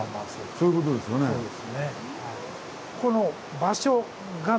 そういうことですよね。